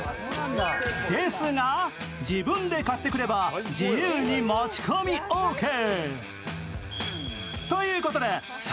ですが、自分で買ってくれば自由に持ち込みオーケー。